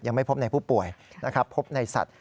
ยังไม่พบในผู้ป่วยนะครับพบในสัตว